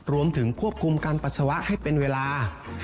รวมถึงควบคุมการปัสสาวะให้เป็นเวลา